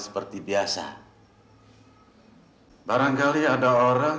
sehingga bisa berbuat hal yang aneh aneh